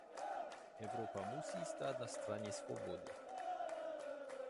Evropa musí stát na straně svobody.